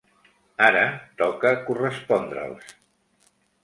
Ara toca correspondre’ls.